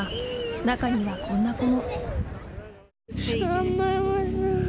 中には、こんな子も。